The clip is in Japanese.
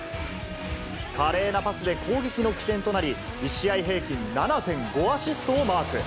華麗なパスで攻撃の起点となり、１試合平均７．５アシストをマーク。